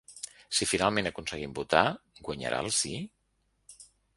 Si finalment aconseguim votar, guanyarà el sí?